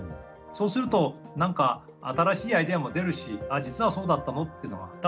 そうすると何か新しいアイデアも出るし実はそうだったのっていうのは。